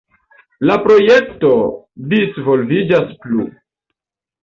La projekto disvolviĝas plu.